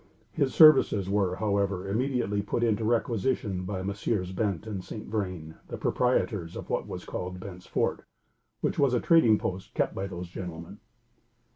His services were however immediately put into requisition by Messrs. Bent and St. Vrain, the proprietors of what was called Bent's Fort, which was a trading post kept by those gentlemen.